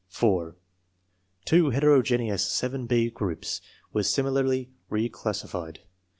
4. Two heterogeneous 7 B groups were similarly re classified.